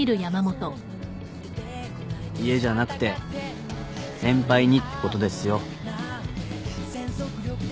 家じゃなくて先輩にってことですよ。